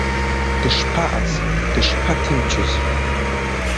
Дышԥаҟаз, дышԥаҭынчыз!